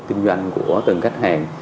kinh doanh của từng khách hàng